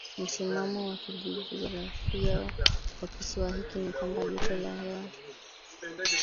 Msimamo wa kijiografia wa kisiwa hiki ni kwamba joto la hewa